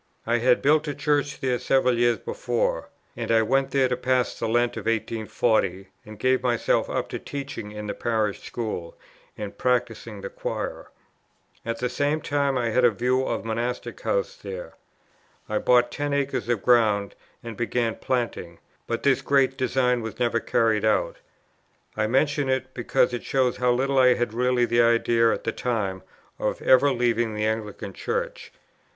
I had built a Church there several years before; and I went there to pass the Lent of 1840, and gave myself up to teaching in the Parish School, and practising the choir. At the same time, I had in view a monastic house there. I bought ten acres of ground and began planting; but this great design was never carried out. I mention it, because it shows how little I had really the idea at that time of ever leaving the Anglican Church.